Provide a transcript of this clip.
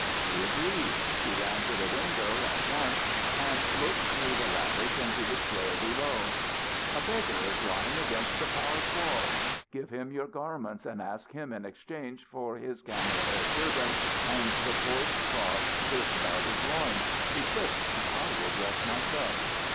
He agreed. She ran to the window at once and looked though the lattice into the square below. "A beggar is lying against the palace wall. Give him your garments and ask him in exchange for his camel hair turban and the coarse cloth girt about his loins. Be quick and I will dress myself."